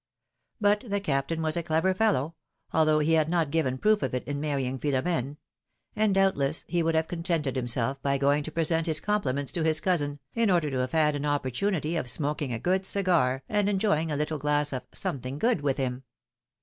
But the Captain was a clever fellow — although he had not given proof of it in marrying Philom^ne; and, doubtless, he would have contented himself by going to present his compliments to his cousin, in order to have had an opportunity of smoking a good cigar and enjoying a little glass ^^of something good ^^ with him.